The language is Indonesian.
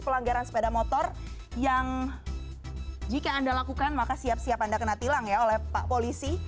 pelanggaran sepeda motor yang jika anda lakukan maka siap siap anda kena tilang ya oleh pak polisi